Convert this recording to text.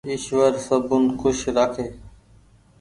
ايشور سبون کوش رآکي